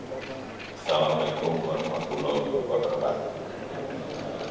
assalamu'alaikum warahmatullahi wabarakatuh